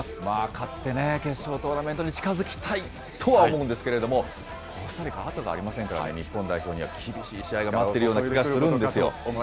勝ってね、決勝トーナメントに近づきたいとは思うんですけれども、コスタリカあとがありませんからね、日本代表には厳しい試合が待っているような気がするんですよ。